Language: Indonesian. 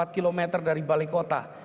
empat km dari balai kota